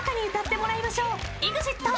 ＥＸＩＴ！